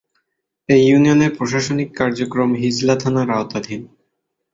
এ ইউনিয়নের প্রশাসনিক কার্যক্রম হিজলা থানার আওতাধীন।